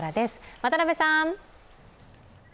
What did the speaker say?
渡部さん。